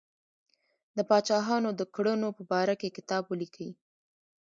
د پاچاهانو د کړنو په باره کې کتاب ولیکي.